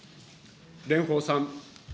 蓮舫さん。